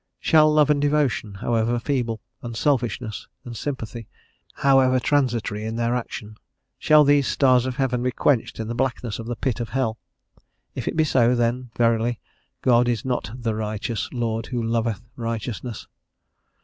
Shall love and devotion, however feeble, unselfishness and sympathy, however transitory in their action, shall these stars of heaven be quenched in the blackness of the pit of hell? If it be so, then, verily, God is not the "righteous. Lord who loveth righteousness."